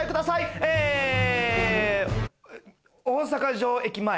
大阪城駅前